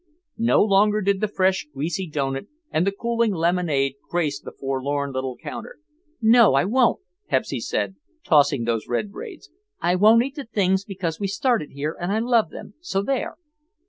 No longer did the fresh, greasy doughnut and the cooling lemonade grace the forlorn little counter. "No, I won't!" Pepsy said, tossing those red braids. "I won't eat the things because we started here and I love them, so there!"